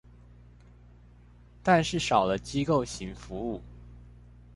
但是少了機構型服務